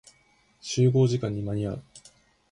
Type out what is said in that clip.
集合時間に間に合う。